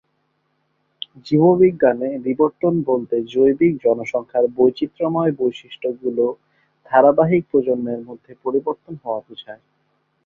জীববিজ্ঞানে, বিবর্তন বলতে জৈবিক জনসংখ্যার বৈচিত্র্যময় বৈশিষ্ট্যগুলি ধারাবাহিক প্রজন্মের মধ্যে পরিবর্তন হওয়া বুঝায়।